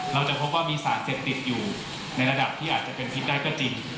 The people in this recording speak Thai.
เราจะพบว่ามีสารเสพติดอยู่ในระดับที่อาจจะเป็นพิษได้ก็จริง